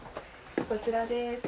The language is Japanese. こちらです。